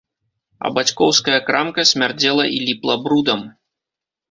А бацькоўская крамка смярдзела і ліпла брудам.